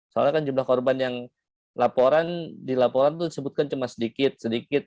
soalnya kan jumlah korban yang dilaporan itu disebutkan cuma sedikit sedikit